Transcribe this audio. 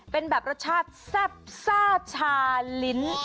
เป็นแบบรสชาติแซ่บซ่าชาลิ้น